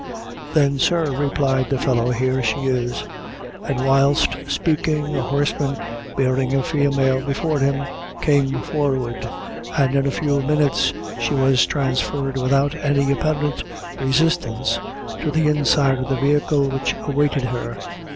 "Then, sir," replied the fellow, "here she is;" and whilst speaking, a horseman, bearing a female before him, came forward, and in a few minutes she was transferred without any apparent resistance, to the inside of the vehicle which awaited her.